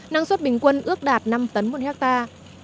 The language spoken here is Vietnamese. năng suất bình quân ước đạt năm tấn một hectare